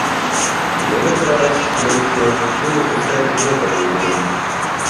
У мяне зараз, я лічу, былі сустрэчы добрага ўзроўню.